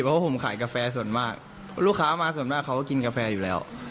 เพราะว่าผมขายกาแฟส่วนมากลูกค้ามาส่วนมากเขาก็กินกาแฟอยู่แล้ว